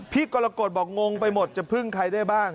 กรกฎบอกงงไปหมดจะพึ่งใครได้บ้าง